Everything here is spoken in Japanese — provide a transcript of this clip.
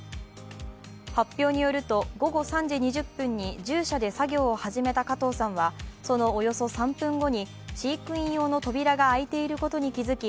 発表によると、午後３時２０分に獣舎で作業を始めた加藤さんはそのおよそ３分後に飼育員用の扉が開いていることに気付き